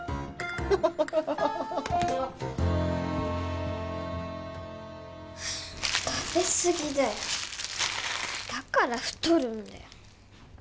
ハハハハハハ食べすぎだよだから太るんだよ